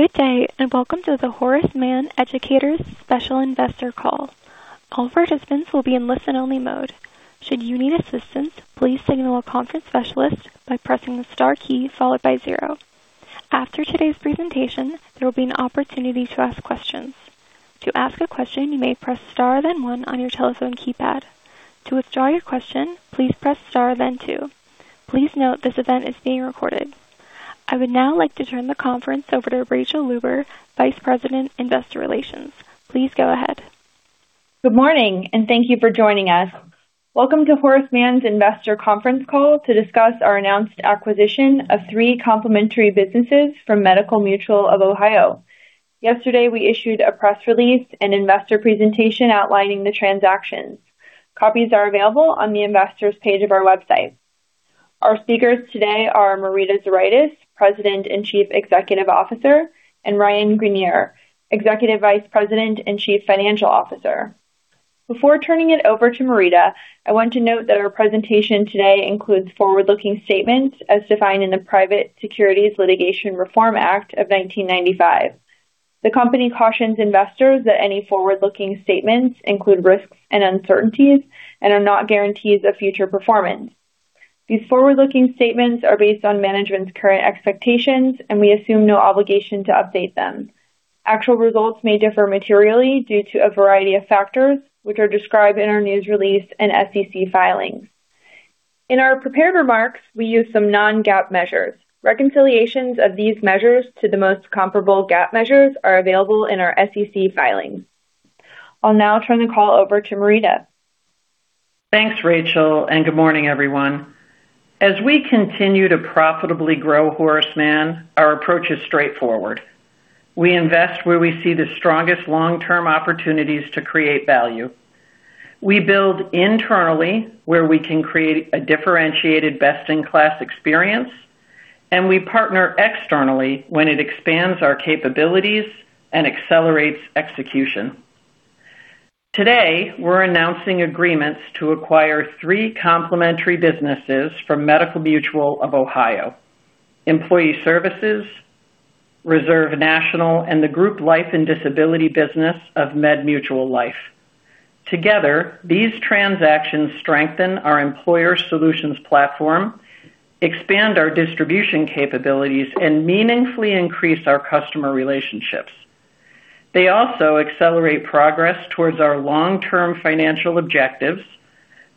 Good day, and welcome to the Horace Mann Educators special investor call. All participants will be in listen-only mode. Should you need assistance, please signal a conference specialist by pressing the star key followed by 0. After today's presentation, there will be an opportunity to ask questions. To ask a question, you may press star then one on your telephone keypad. To withdraw your question, please press star then two. Please note this event is being recorded. I would now like to turn the conference over to Rachael Luber, vice president, investor relations. Please go ahead. Good morning. Thank you for joining us. Welcome to Horace Mann's investor conference call to discuss our announced acquisition of three complementary businesses from Medical Mutual of Ohio. Yesterday, we issued a press release and investor presentation outlining the transactions. Copies are available on the Investors page of our website. Our speakers today are Marita Zuraitis, president and chief executive officer, and Ryan Greenier, executive vice president and chief financial officer. Before turning it over to Marita, I want to note that our presentation today includes forward-looking statements as defined in the Private Securities Litigation Reform Act of 1995. The company cautions investors that any forward-looking statements include risks and uncertainties and are not guarantees of future performance. These forward-looking statements are based on management's current expectations. We assume no obligation to update them. Actual results may differ materially due to a variety of factors, which are described in our news release and SEC filings. In our prepared remarks, we use some non-GAAP measures. Reconciliations of these measures to the most comparable GAAP measures are available in our SEC filings. I'll now turn the call over to Marita. Thanks, Rachael. Good morning, everyone. As we continue to profitably grow Horace Mann, our approach is straightforward. We invest where we see the strongest long-term opportunities to create value. We build internally where we can create a differentiated best-in-class experience. We partner externally when it expands our capabilities and accelerates execution. Today, we're announcing agreements to acquire three complementary businesses from Medical Mutual of Ohio, Employee Services, Reserve National, and the Group Life & Disability business of MedMutual Life. Together, these transactions strengthen our employer solutions platform, expand our distribution capabilities, and meaningfully increase our customer relationships. They also accelerate progress towards our long-term financial objectives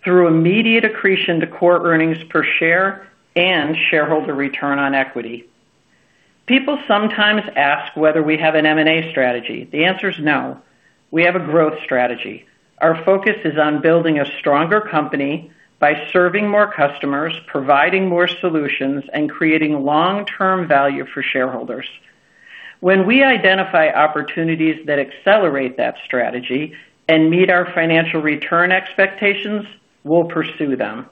through immediate accretion to core earnings per share and shareholder return on equity. People sometimes ask whether we have an M&A strategy. The answer is no. We have a growth strategy. Our focus is on building a stronger company by serving more customers, providing more solutions, and creating long-term value for shareholders. When we identify opportunities that accelerate that strategy and meet our financial return expectations, we'll pursue them.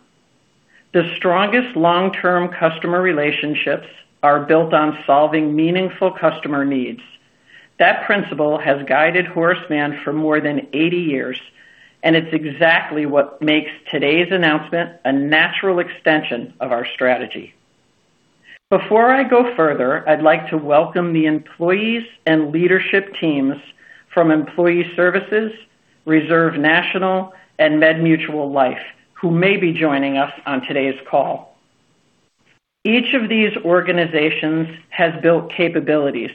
The strongest long-term customer relationships are built on solving meaningful customer needs. That principle has guided Horace Mann for more than 80 years, and it's exactly what makes today's announcement a natural extension of our strategy. Before I go further, I'd like to welcome the employees and leadership teams from Employee Services, Reserve National, and MedMutual Life, who may be joining us on today's call. Each of these organizations has built capabilities,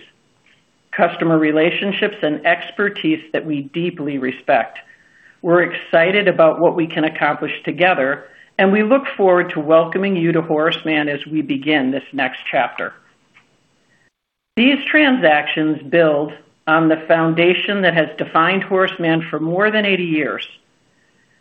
customer relationships, and expertise that we deeply respect. We're excited about what we can accomplish together, and we look forward to welcoming you to Horace Mann as we begin this next chapter. These transactions build on the foundation that has defined Horace Mann for more than 80 years.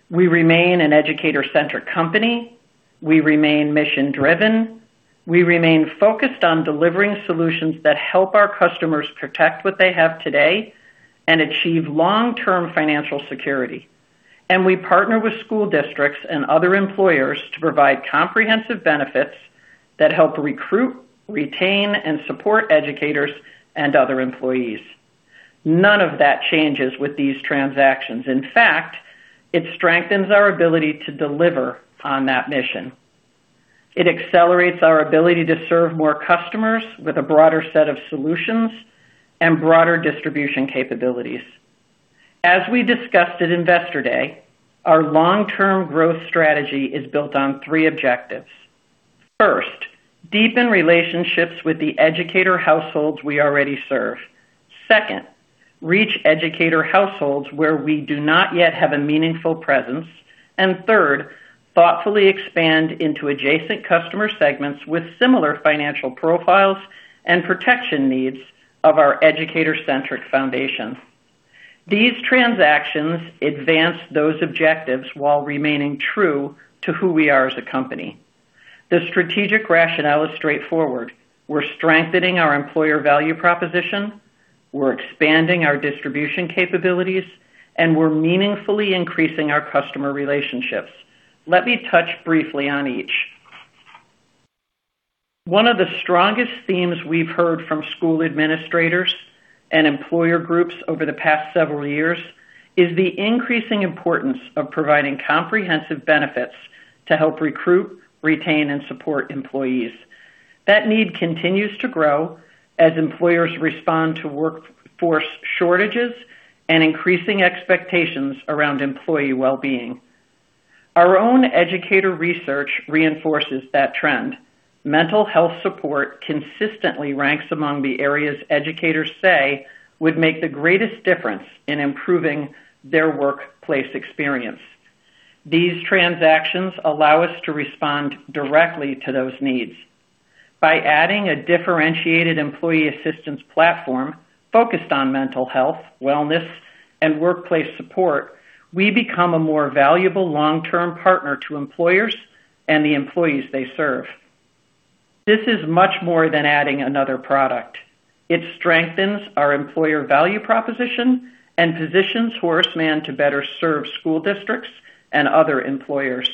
We remain an educator-centric company. We remain mission-driven. We remain focused on delivering solutions that help our customers protect what they have today and achieve long-term financial security. We partner with school districts and other employers to provide comprehensive benefits that help recruit, retain, and support educators and other employees. None of that changes with these transactions. In fact, it strengthens our ability to deliver on that mission. It accelerates our ability to serve more customers with a broader set of solutions and broader distribution capabilities. As we discussed at Investor Day, our long-term growth strategy is built on three objectives. First, deepen relationships with the educator households we already serve. Second, reach educator households where we do not yet have a meaningful presence. Third, thoughtfully expand into adjacent customer segments with similar financial profiles and protection needs of our educator-centric foundation. These transactions advance those objectives while remaining true to who we are as a company. The strategic rationale is straightforward. We're strengthening our employer value proposition. We're expanding our distribution capabilities, and we're meaningfully increasing our customer relationships. Let me touch briefly on each. One of the strongest themes we've heard from school administrators and employer groups over the past several years is the increasing importance of providing comprehensive benefits to help recruit, retain, and support employees. That need continues to grow as employers respond to workforce shortages and increasing expectations around employee wellbeing. Our own educator research reinforces that trend. Mental health support consistently ranks among the areas educators say would make the greatest difference in improving their workplace experience. These transactions allow us to respond directly to those needs. By adding a differentiated employee assistance platform focused on mental health, wellness, and workplace support, we become a more valuable long-term partner to employers and the employees they serve. This is much more than adding another product. It strengthens our employer value proposition and positions Horace Mann to better serve school districts and other employers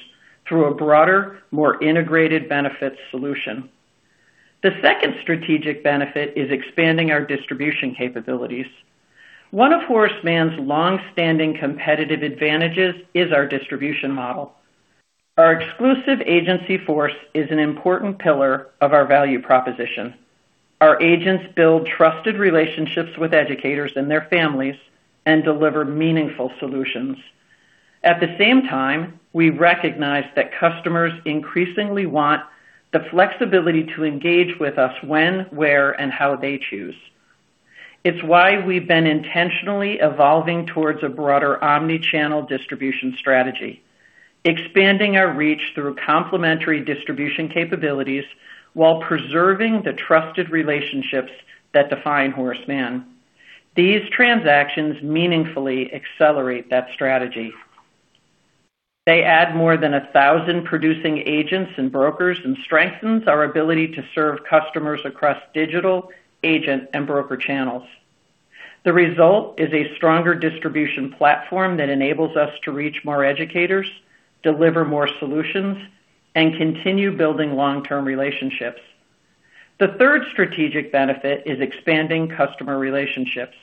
through a broader, more integrated benefits solution. The second strategic benefit is expanding our distribution capabilities. One of Horace Mann's longstanding competitive advantages is our distribution model. Our exclusive agency force is an important pillar of our value proposition. Our agents build trusted relationships with educators and their families and deliver meaningful solutions. At the same time, we recognize that customers increasingly want the flexibility to engage with us when, where, and how they choose. It's why we've been intentionally evolving towards a broader omni-channel distribution strategy, expanding our reach through complementary distribution capabilities while preserving the trusted relationships that define Horace Mann. These transactions meaningfully accelerate that strategy. They add more than 1,000 producing agents and brokers and strengthens our ability to serve customers across digital, agent, and broker channels. The result is a stronger distribution platform that enables us to reach more educators, deliver more solutions, and continue building long-term relationships. The third strategic benefit is expanding customer relationships.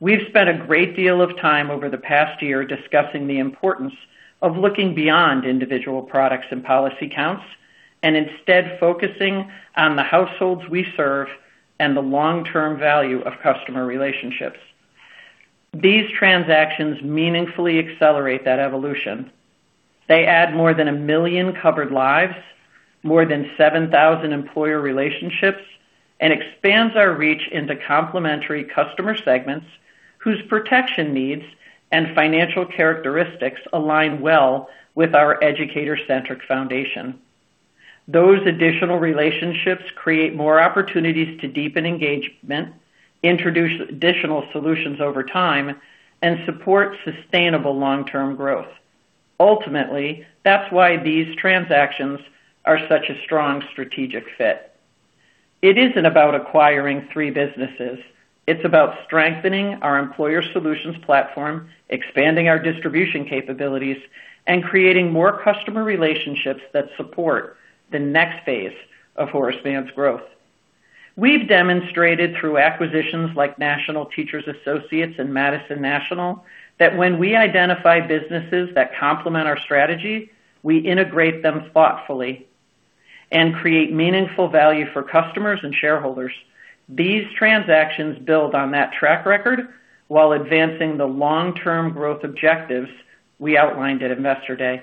We've spent a great deal of time over the past year discussing the importance of looking beyond individual products and policy counts, and instead focusing on the households we serve and the long-term value of customer relationships. These transactions meaningfully accelerate that evolution. They add more than a million covered lives, more than 7,000 employer relationships, and expands our reach into complementary customer segments whose protection needs and financial characteristics align well with our educator-centric foundation. Those additional relationships create more opportunities to deepen engagement, introduce additional solutions over time, and support sustainable long-term growth. Ultimately, that's why these transactions are such a strong strategic fit. It isn't about acquiring three businesses. It's about strengthening our employer solutions platform, expanding our distribution capabilities, and creating more customer relationships that support the next phase of Horace Mann's growth. We've demonstrated through acquisitions like National Teachers Associates and Madison National that when we identify businesses that complement our strategy, we integrate them thoughtfully and create meaningful value for customers and shareholders. These transactions build on that track record while advancing the long-term growth objectives we outlined at Investor Day.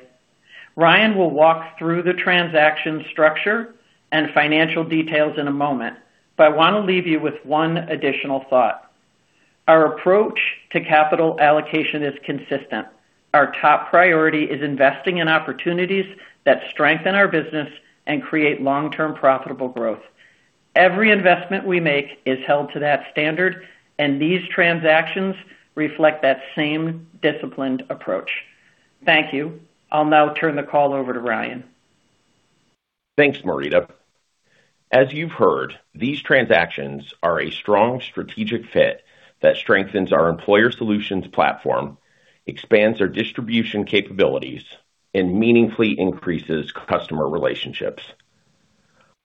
Ryan will walk through the transaction structure and financial details in a moment, but I want to leave you with one additional thought. Our approach to capital allocation is consistent. Our top priority is investing in opportunities that strengthen our business and create long-term profitable growth. Every investment we make is held to that standard, and these transactions reflect that same disciplined approach. Thank you. I'll now turn the call over to Ryan. Thanks, Marita. As you've heard, these transactions are a strong strategic fit that strengthens our employer solutions platform, expands our distribution capabilities, and meaningfully increases customer relationships.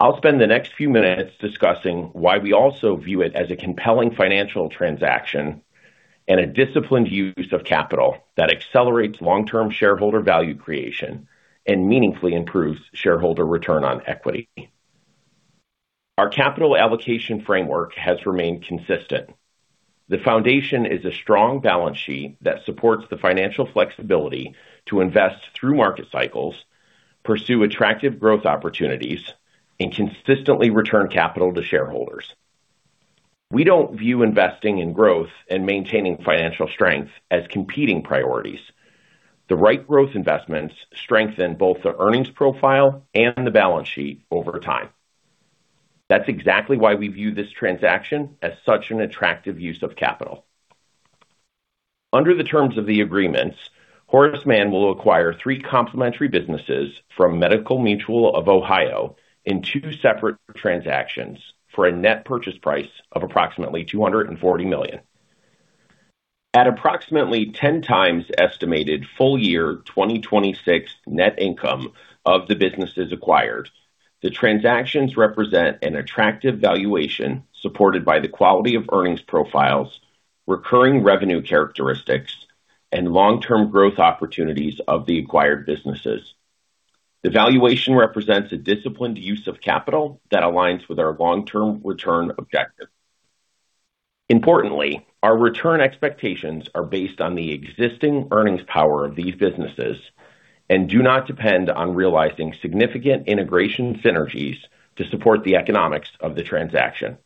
I'll spend the next few minutes discussing why we also view it as a compelling financial transaction and a disciplined use of capital that accelerates long-term shareholder value creation and meaningfully improves shareholder return on equity. Our capital allocation framework has remained consistent. The foundation is a strong balance sheet that supports the financial flexibility to invest through market cycles, pursue attractive growth opportunities, and consistently return capital to shareholders. We don't view investing in growth and maintaining financial strength as competing priorities. The right growth investments strengthen both the earnings profile and the balance sheet over time. That's exactly why we view this transaction as such an attractive use of capital. Under the terms of the agreements, Horace Mann will acquire three complementary businesses from Medical Mutual of Ohio in two separate transactions for a net purchase price of approximately $240 million. At approximately 10x estimated full year 2026 net income of the businesses acquired, the transactions represent an attractive valuation supported by the quality of earnings profiles, recurring revenue characteristics, and long-term growth opportunities of the acquired businesses. The valuation represents a disciplined use of capital that aligns with our long-term return objective. Importantly, our return expectations are based on the existing earnings power of these businesses and do not depend on realizing significant integration synergies to support the economics of the transaction.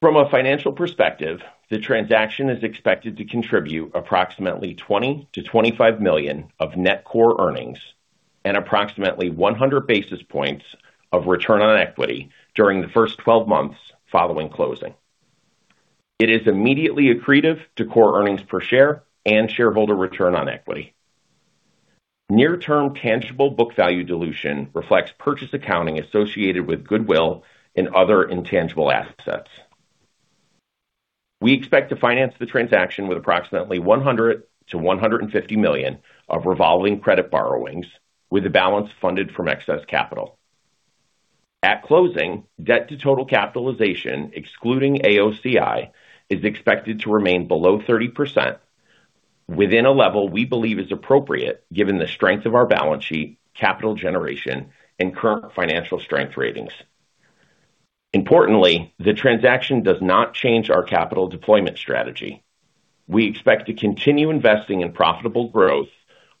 From a financial perspective, the transaction is expected to contribute approximately $20 million-$25 million of net core earnings and approximately 100 basis points of return on equity during the first 12 months following closing. It is immediately accretive to core earnings per share and shareholder return on equity. Near-term tangible book value dilution reflects purchase accounting associated with goodwill and other intangible assets. We expect to finance the transaction with approximately $100 million-$150 million of revolving credit borrowings with the balance funded from excess capital. At closing, debt to total capitalization excluding AOCI is expected to remain below 30%, within a level we believe is appropriate given the strength of our balance sheet, capital generation, and current financial strength ratings. Importantly, the transaction does not change our capital deployment strategy. We expect to continue investing in profitable growth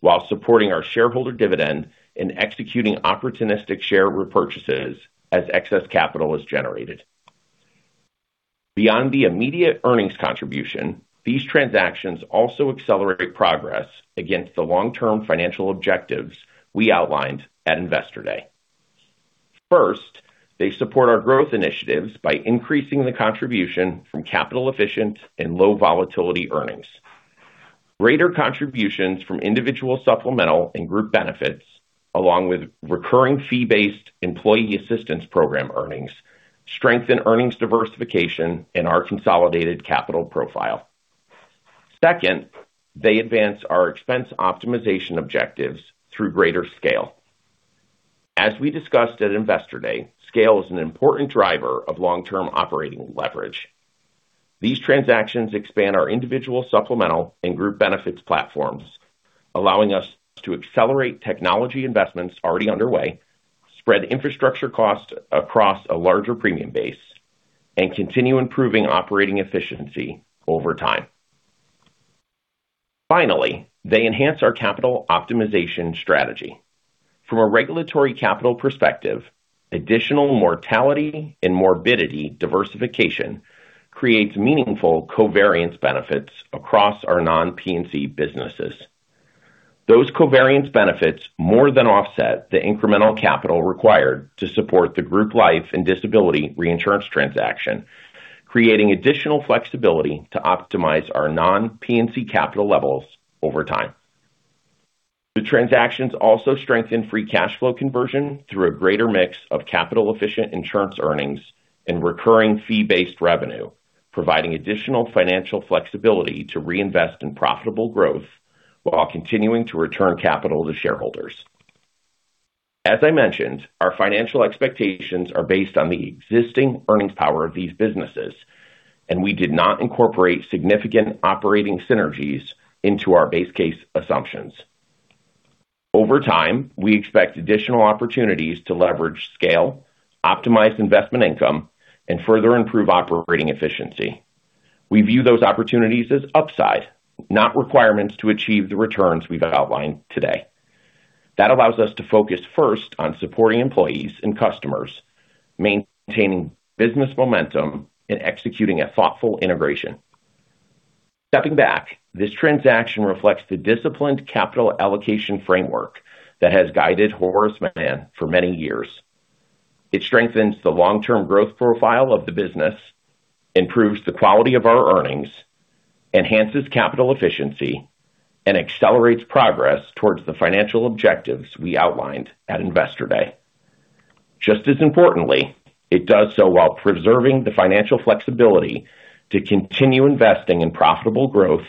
while supporting our shareholder dividend and executing opportunistic share repurchases as excess capital is generated. Beyond the immediate earnings contribution, these transactions also accelerate progress against the long-term financial objectives we outlined at Investor Day. First, they support our growth initiatives by increasing the contribution from capital efficient and low volatility earnings. Greater contributions from individual supplemental and group benefits, along with recurring fee-based employee assistance program earnings, strengthen earnings diversification in our consolidated capital profile. Second, they advance our expense optimization objectives through greater scale. As we discussed at Investor Day, scale is an important driver of long-term operating leverage. These transactions expand our individual supplemental and group benefits platforms, allowing us to accelerate technology investments already underway, spread infrastructure costs across a larger premium base, and continue improving operating efficiency over time. Finally, they enhance our capital optimization strategy. From a regulatory capital perspective, additional mortality and morbidity diversification creates meaningful covariance benefits across our non-P&C businesses. Those covariance benefits more than offset the incremental capital required to support the group life and disability reinsurance transaction, creating additional flexibility to optimize our non-P&C capital levels over time. The transactions also strengthen free cash flow conversion through a greater mix of capital efficient insurance earnings and recurring fee-based revenue, providing additional financial flexibility to reinvest in profitable growth while continuing to return capital to shareholders. As I mentioned, our financial expectations are based on the existing earnings power of these businesses, and we did not incorporate significant operating synergies into our base case assumptions. Over time, we expect additional opportunities to leverage scale, optimize investment income, and further improve operating efficiency. We view those opportunities as upside, not requirements, to achieve the returns we've outlined today. That allows us to focus first on supporting employees and customers, maintaining business momentum, and executing a thoughtful integration. Stepping back, this transaction reflects the disciplined capital allocation framework that has guided Horace Mann for many years. It strengthens the long-term growth profile of the business, improves the quality of our earnings, enhances capital efficiency, and accelerates progress towards the financial objectives we outlined at Investor Day. Just as importantly, it does so while preserving the financial flexibility to continue investing in profitable growth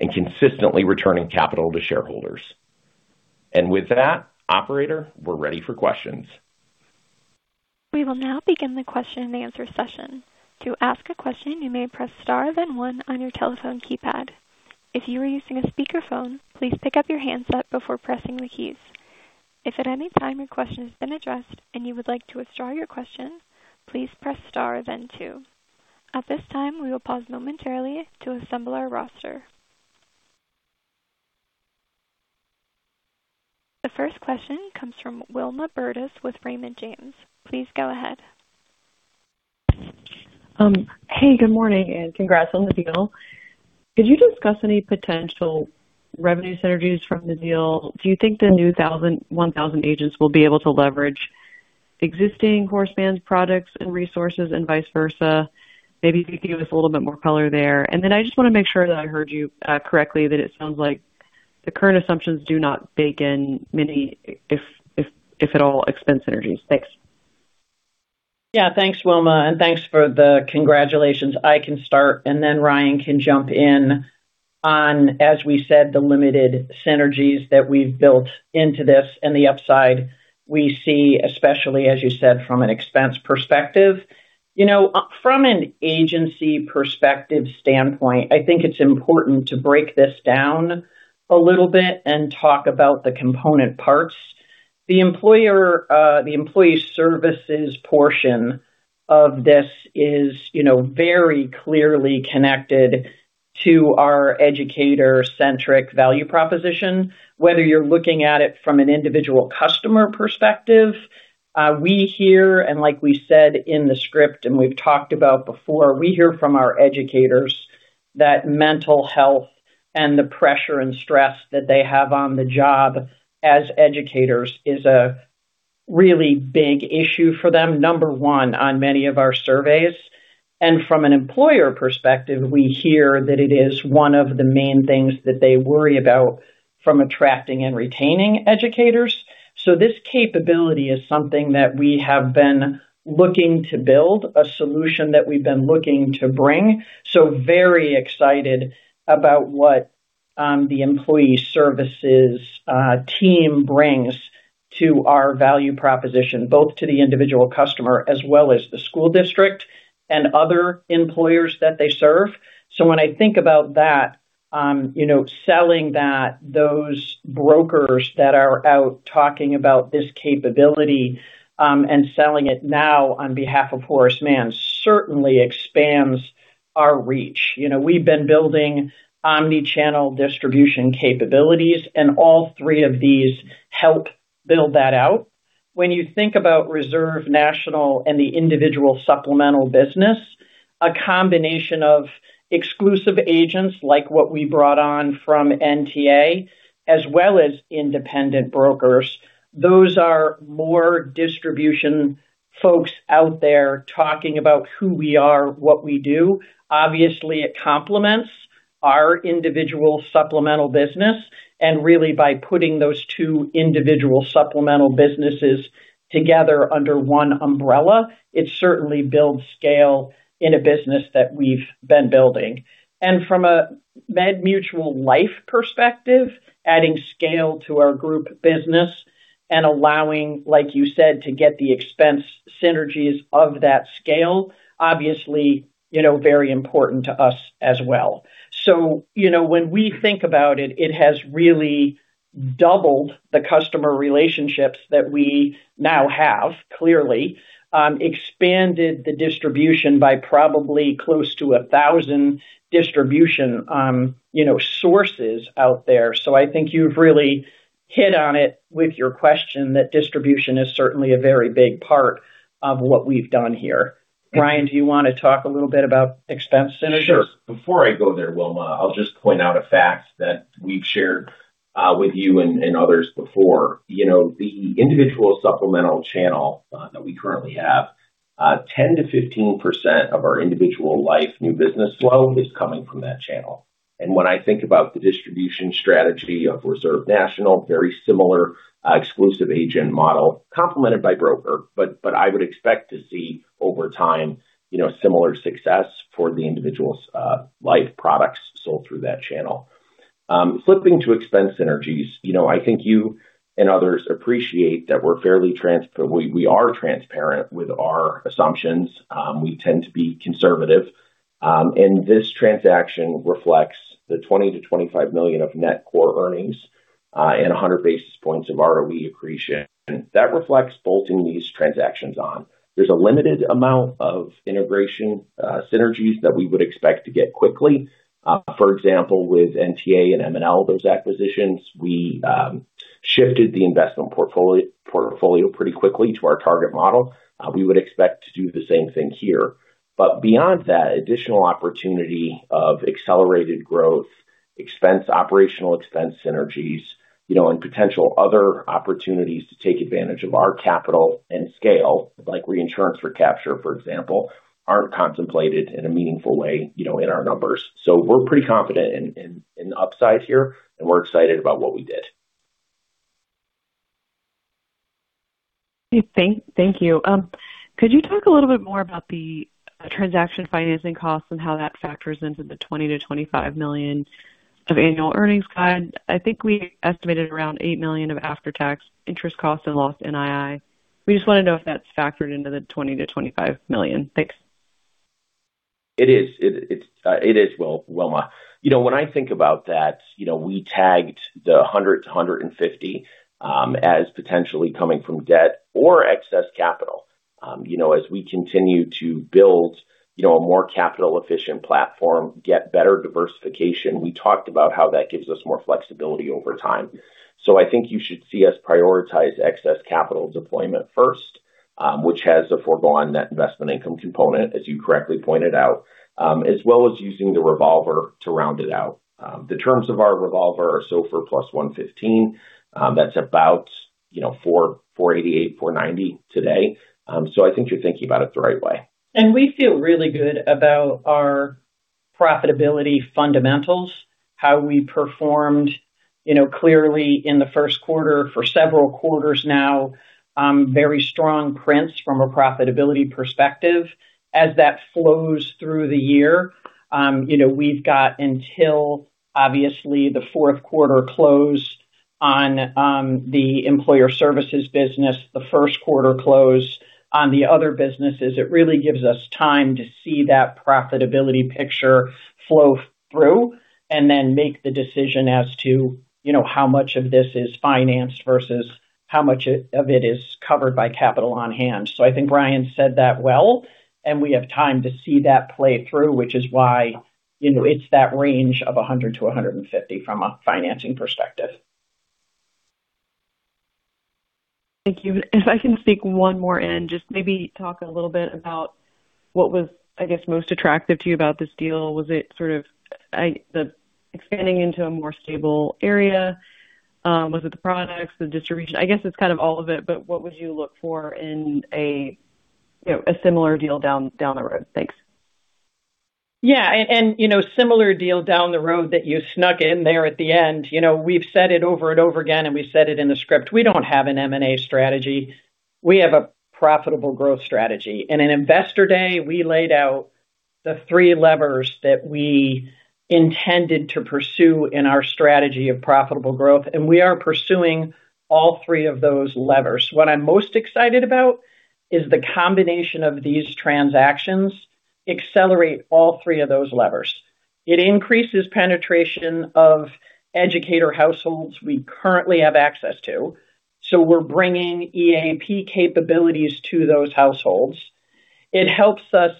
and consistently returning capital to shareholders. With that, operator, we're ready for questions. We will now begin the question and answer session. To ask a question, you may press star then one on your telephone keypad. If you are using a speakerphone, please pick up your handset before pressing the keys. If at any time your question has been addressed and you would like to withdraw your question, please press star then two. At this time, we will pause momentarily to assemble our roster. The first question comes from Wilma Burdis with Raymond James. Please go ahead. Hey, good morning, congrats on the deal. Could you discuss any potential revenue synergies from the deal? Do you think the new 1,000 agents will be able to leverage existing Horace Mann's products and resources and vice versa? Maybe if you could give us a little bit more color there. Then I just want to make sure that I heard you correctly, that it sounds like the current assumptions do not bake in many, if at all, expense synergies. Thanks. Yeah. Thanks, Wilma, thanks for the congratulations. I can start, then Ryan can jump in on, as we said, the limited synergies that we've built into this and the upside we see, especially, as you said, from an expense perspective. From an agency perspective standpoint, I think it's important to break this down a little bit and talk about the component parts. The Employee Services portion of this is very clearly connected to our educator-centric value proposition, whether you're looking at it from an individual customer perspective. We hear, like we said in the script, and we've talked about before, we hear from our educators that mental health and the pressure and stress that they have on the job as educators is a really big issue for them. Number 1 on many of our surveys. From an employer perspective, we hear that it is one of the main things that they worry about from attracting and retaining educators. This capability is something that we have been looking to build, a solution that we've been looking to bring. Very excited about what the Employee Services team brings to our value proposition, both to the individual customer as well as the school district and other employers that they serve. When I think about that, selling that, those brokers that are out talking about this capability, and selling it now on behalf of Horace Mann certainly expands our reach. We've been building omni-channel distribution capabilities, and all three of these help build that out. When you think about Reserve National and the individual supplemental business, a combination of exclusive agents, like what we brought on from NTA, as well as independent brokers, those are more distribution folks out there talking about who we are, what we do. Obviously, it complements our individual supplemental business, and really, by putting those two individual supplemental businesses together under one umbrella, it certainly builds scale in a business that we've been building. From a MedMutual Life perspective, adding scale to our group business and allowing, like you said, to get the expense synergies of that scale, obviously very important to us as well. When we think about it has really doubled the customer relationships that we now have, clearly. Expanded the distribution by probably close to 1,000 distribution sources out there. I think you've really hit on it with your question that distribution is certainly a very big part of what we've done here. Ryan, do you want to talk a little bit about expense synergies? Sure. Before I go there, Wilma, I'll just point out a fact that we've shared with you and others before. The individual supplemental channel that we currently have, 10%-15% of our individual life new business flow is coming from that channel. When I think about the distribution strategy of Reserve National, very similar exclusive agent model complemented by broker. I would expect to see over time similar success for the individual's life products sold through that channel. Flipping to expense synergies, I think you and others appreciate that we're fairly transparent with our assumptions. We tend to be conservative. This transaction reflects the $20 million-$25 million of net core earnings and 100 basis points of ROE accretion. That reflects bolting these transactions on. There's a limited amount of integration synergies that we would expect to get quickly. For example, with NTA and M&L, those acquisitions, we shifted the investment portfolio pretty quickly to our target model. We would expect to do the same thing here. Beyond that additional opportunity of accelerated growth, operational expense synergies, and potential other opportunities to take advantage of our capital and scale, like reinsurance recapture, for example, aren't contemplated in a meaningful way in our numbers. We're pretty confident in the upside here, and we're excited about what we did. Thank you. Could you talk a little bit more about the transaction financing costs and how that factors into the $20 million-$25 million of annual earnings guide? I think we estimated around $8 million of after-tax interest costs and lost NII. We just want to know if that's factored into the $20 million-$25 million. Thanks. It is, Wilma. When I think about that, we tagged the $100 million-$150 million as potentially coming from debt or excess capital. As we continue to build a more capital-efficient platform, get better diversification, we talked about how that gives us more flexibility over time. I think you should see us prioritize excess capital deployment first, which has a forgone net investment income component, as you correctly pointed out, as well as using the revolver to round it out. The terms of our revolver are SOFR plus 115. That's about 4.88%, 4.90% today. I think you're thinking about it the right way. We feel really good about our profitability fundamentals, how we performed clearly in the first quarter for several quarters now, very strong prints from a profitability perspective. As that flows through the year, we've got until, obviously, the fourth quarter close on the employer services business, the first quarter close on the other businesses. It really gives us time to see that profitability picture flow through, and then make the decision as to how much of this is financed versus how much of it is covered by capital on hand. I think Ryan said that well, and we have time to see that play through, which is why it's that range of $100 million-$150 million from a financing perspective. Thank you. If I can sneak one more in, just maybe talk a little bit about what was, I guess, most attractive to you about this deal. Was it sort of the expanding into a more stable area? Was it the products, the distribution? I guess it's kind of all of it, but what would you look for in a similar deal down the road? Thanks. Yeah. Similar deal down the road that you snuck in there at the end. We've said it over and over again, and we said it in the script. We don't have an M&A strategy. We have a profitable growth strategy. In an Investor Day, we laid out the three levers that we intended to pursue in our strategy of profitable growth, and we are pursuing all three of those levers. What I'm most excited about is the combination of these transactions accelerate all three of those levers. It increases penetration of educator households we currently have access to. We're bringing EAP capabilities to those households. It helps us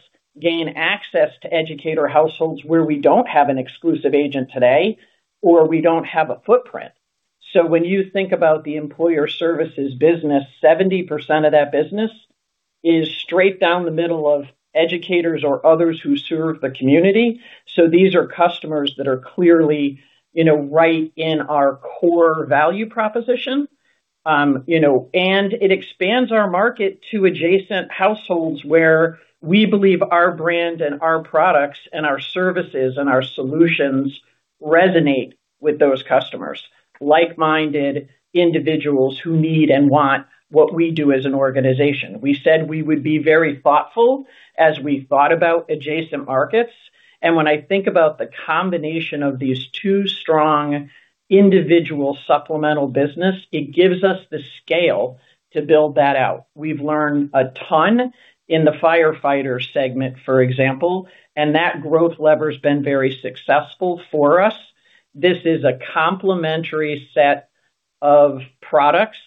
gain access to educator households where we don't have an exclusive agent today, or we don't have a footprint. When you think about the employer services business, 70% of that business is straight down the middle of educators or others who serve the community. These are customers that are clearly right in our core value proposition. It expands our market to adjacent households, where we believe our brand and our products and our services and our solutions resonate with those customers, like-minded individuals who need and want what we do as an organization. We said we would be very thoughtful as we thought about adjacent markets, and when I think about the combination of these two strong individual supplemental business, it gives us the scale to build that out. We've learned a ton in the firefighter segment, for example, and that growth lever's been very successful for us. This is a complementary set of products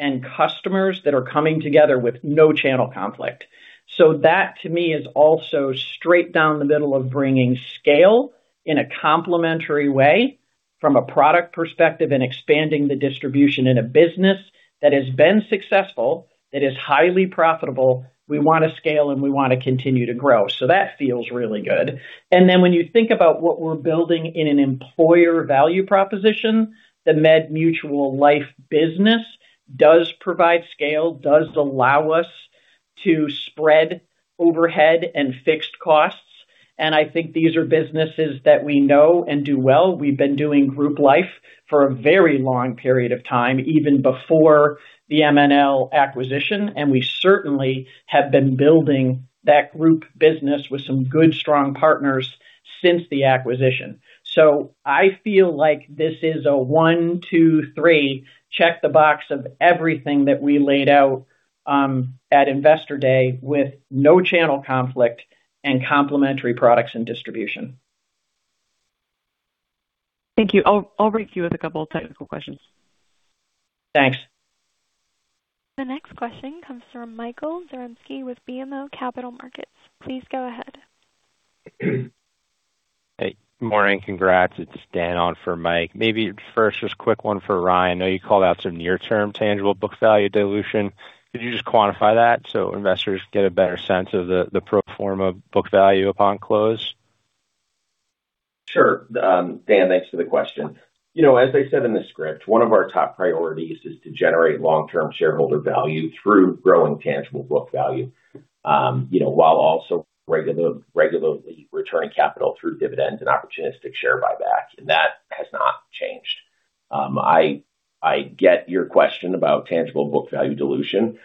and customers that are coming together with no channel conflict. That, to me, is also straight down the middle of bringing scale in a complementary way from a product perspective and expanding the distribution in a business that has been successful, that is highly profitable. We want to scale, and we want to continue to grow. That feels really good. When you think about what we're building in an employer value proposition, the MedMutual Life business does provide scale, does allow us to spread overhead and fixed costs, and I think these are businesses that we know and do well. We've been doing group life for a very long period of time, even before the MNL acquisition, and we certainly have been building that group business with some good, strong partners since the acquisition. I feel like this is a one, two, three, check the box of everything that we laid out at Investor Day with no channel conflict and complementary products and distribution. Thank you. I'll brief you with a couple of technical questions. Thanks. The next question comes from Michael Zarembski with BMO Capital Markets. Please go ahead. Hey, morning. Congrats. It's Dan on for Michael. First, just quick one for Ryan. I know you called out some near-term tangible book value dilution. Could you just quantify that so investors get a better sense of the pro forma book value upon close? Sure. Dan, thanks for the question. As I said in the script, one of our top priorities is to generate long-term shareholder value through growing tangible book value, while also regularly returning capital through dividends and opportunistic share buyback, and that has not changed. I get your question about tangible book value dilution.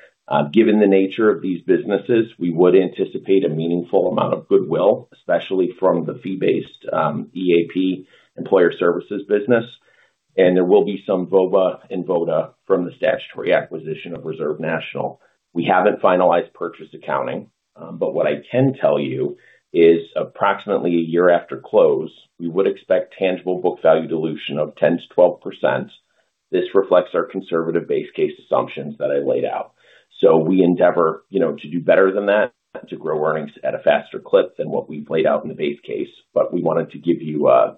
Given the nature of these businesses, we would anticipate a meaningful amount of goodwill, especially from the fee-based EAP employer services business, and there will be some VOBA and VODA from the statutory acquisition of Reserve National. We haven't finalized purchase accounting, but what I can tell you is approximately a year after close, we would expect tangible book value dilution of 10%-12%. This reflects our conservative base case assumptions that I laid out. We endeavor to do better than that, to grow earnings at a faster clip than what we've laid out in the base case. We wanted to give you a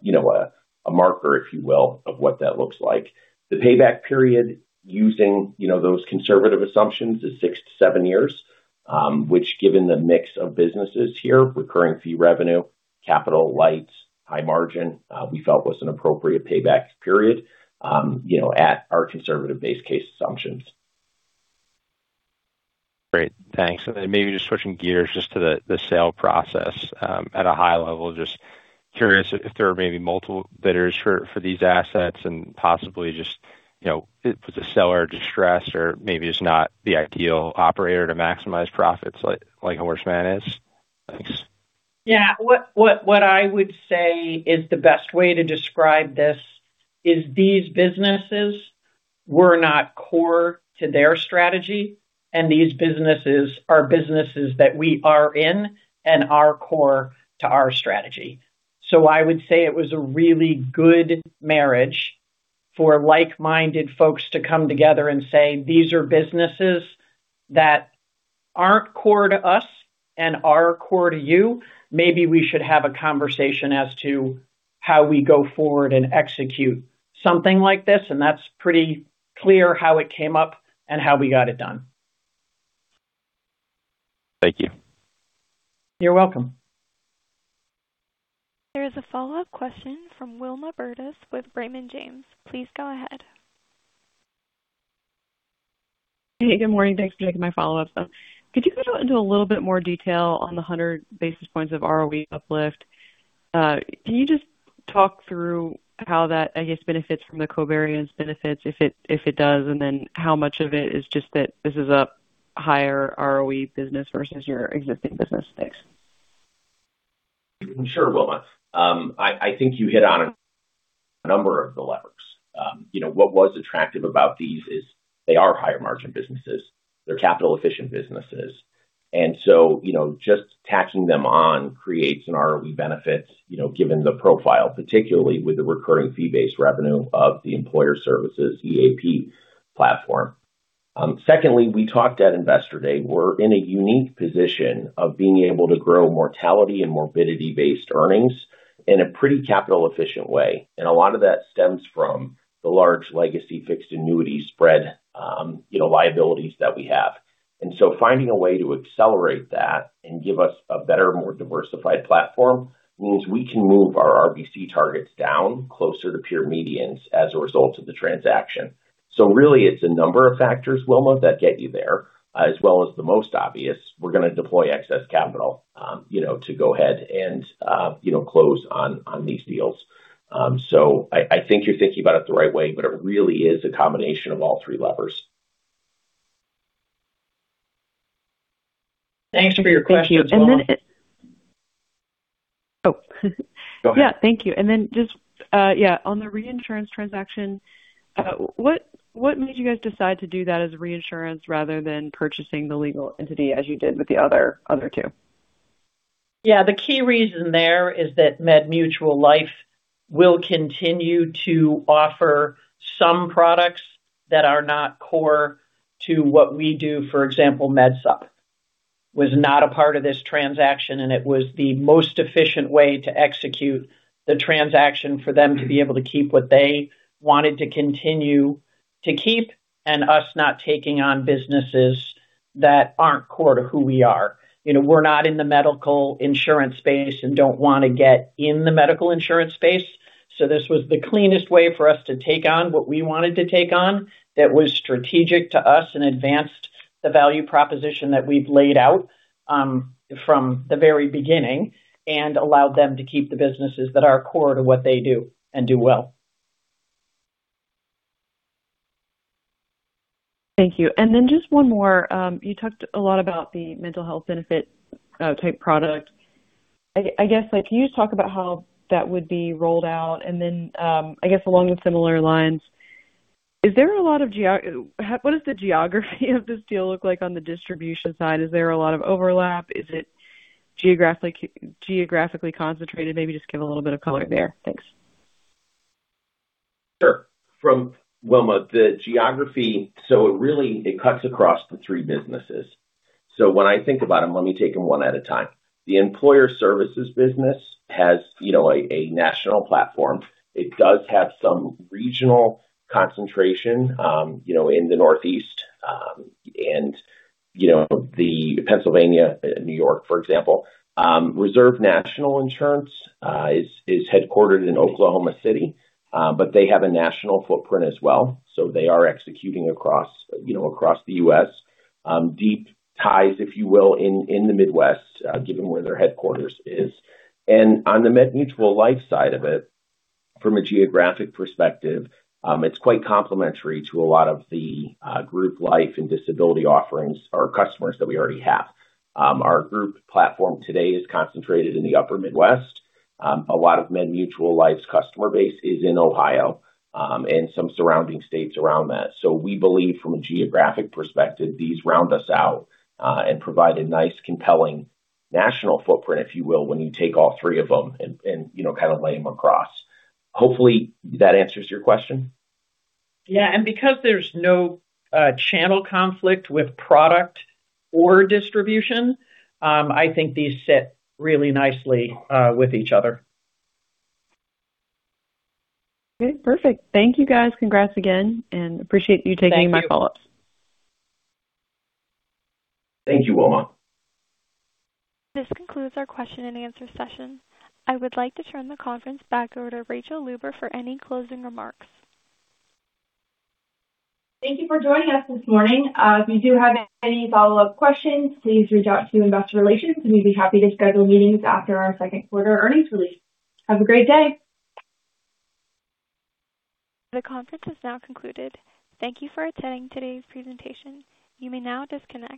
marker, if you will, of what that looks like. The payback period using those conservative assumptions is six to seven years, which given the mix of businesses here, recurring fee revenue, capital light, high margin, we felt was an appropriate payback period at our conservative base case assumptions. Great. Thanks. Then maybe just switching gears just to the sale process, at a high level, just curious if there are maybe multiple bidders for these assets and possibly just, was the seller distressed or maybe just not the ideal operator to maximize profits like Horace Mann is? Thanks. Yeah. What I would say is the best way to describe this is these businesses were not core to their strategy, and these businesses are businesses that we are in and are core to our strategy. I would say it was a really good marriage for like-minded folks to come together and say, "These are businesses that aren't core to us and are core to you. Maybe we should have a conversation as to how we go forward and execute something like this." That's pretty clear how it came up and how we got it done. Thank you. You're welcome. There is a follow-up question from Wilma Burdis with Raymond James. Please go ahead. Hey, good morning. Thanks for taking my follow-ups. Could you go into a little bit more detail on the 100 basis points of ROE uplift? Can you just talk through how that, I guess, benefits from the covariance benefits, if it does, and then how much of it is just that this is a higher ROE business versus your existing business? Thanks. Sure, Wilma. I think you hit on a number of the levers. What was attractive about these is they are higher margin businesses. They're capital efficient businesses. Just tacking them on creates an ROE benefit, given the profile, particularly with the recurring fee-based revenue of the Employee Services EAP platform. Secondly, we talked at Investor Day, we're in a unique position of being able to grow mortality and morbidity-based earnings in a pretty capital efficient way. A lot of that stems from the large legacy fixed annuity spread, liabilities that we have. So finding a way to accelerate that and give us a better, more diversified platform means we can move our RBC targets down closer to peer medians as a result of the transaction. Really it's a number of factors, Wilma, that get you there, as well as the most obvious, we're going to deploy excess capital to go ahead and close on these deals. I think you're thinking about it the right way, but it really is a combination of all three levers. Thanks for your question, Wilma. Thank you. On the reinsurance transaction, what made you guys decide to do that as reinsurance rather than purchasing the legal entity as you did with the other two? The key reason there is that MedMutual Life will continue to offer some products that are not core to what we do. For example, MedSup was not a part of this transaction, and it was the most efficient way to execute the transaction for them to be able to keep what they wanted to continue to keep and us not taking on businesses that aren't core to who we are. We're not in the medical insurance space and don't want to get in the medical insurance space, so this was the cleanest way for us to take on what we wanted to take on that was strategic to us and advanced the value proposition that we've laid out from the very beginning and allowed them to keep the businesses that are core to what they do and do well. Thank you. Just one more. You talked a lot about the mental health benefit type product. I guess, can you just talk about how that would be rolled out? Then, I guess along similar lines, what does the geography of this deal look like on the distribution side? Is there a lot of overlap? Is it geographically concentrated? Maybe just give a little bit of color there. Thanks. Sure. From Wilma, the geography, so it really cuts across the three businesses. When I think about them, let me take them one at a time. The employer services business has a national platform. It does have some regional concentration in the Northeast, and the Pennsylvania, New York, for example. Reserve National Insurance is headquartered in Oklahoma City, but they have a national footprint as well. They are executing across the U.S., deep ties, if you will, in the Midwest, given where their headquarters is. On the MedMutual Life side of it, from a geographic perspective, it's quite complementary to a lot of the group life and disability offerings or customers that we already have. Our group platform today is concentrated in the upper Midwest. A lot of MedMutual Life's customer base is in Ohio, and some surrounding states around that. We believe from a geographic perspective, these round us out, and provide a nice compelling national footprint, if you will, when you take all three of them and kind of lay them across. Hopefully, that answers your question. Yeah, and because there's no channel conflict with product or distribution, I think these sit really nicely with each other. Okay, perfect. Thank you, guys. Congrats again, and appreciate you taking my follow-ups. Thank you. Thank you, Wilma. This concludes our question and answer session. I would like to turn the conference back over to Rachael Luber for any closing remarks. Thank you for joining us this morning. If you do have any follow-up questions, please reach out to Investor Relations, and we'd be happy to schedule meetings after our second quarter earnings release. Have a great day. The conference has now concluded. Thank you for attending today's presentation. You may now disconnect.